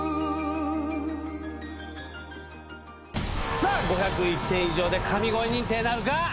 さあ、５０１点以上で神声認定なるか。